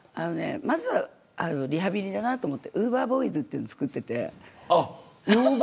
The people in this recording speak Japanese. まずはリハビリだなと思ってウーバーボーイズというのをつくっていて。